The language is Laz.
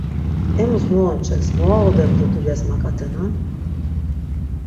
Emus mu onç̌els, mu ağoden do dulyas mak̆atenan?